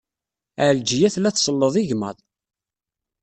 Ɛelǧiya tella tselleḍ igmaḍ.